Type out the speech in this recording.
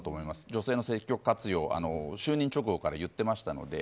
女性の積極活用を就任直後から言ってましたので。